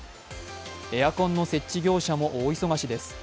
エアコンの設置業者も大忙しです。